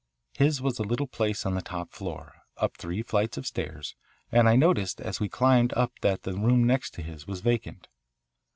His was a little place on the top floor, up three flights of stairs, and I noticed as we climbed up that the room next to his was vacant.